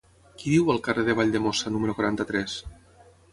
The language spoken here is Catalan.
Qui viu al carrer de Valldemossa número quaranta-tres?